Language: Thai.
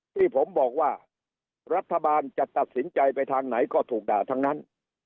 ที่ผมบอกว่ารัฐบาลจะตัดสินใจไปทางไหนก็ถูกด่าทั้งนั้น